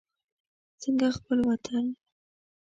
څنګه خپل وطن.